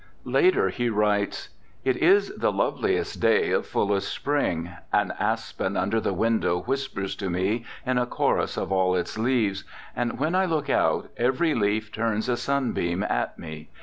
Later he writes, "It is the loveliest day of fullest spring. An aspen under the window whispers to me in a chorus of all its leaves, and when I look out, every leaf turns a sunbeam at me.